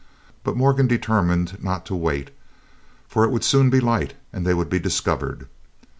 But Morgan determined not to wait, for it would soon be light, and they would be discovered.